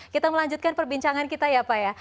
kita melanjutkan perbincangan kita ya pak ya